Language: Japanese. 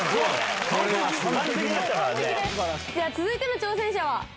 続いての挑戦者は。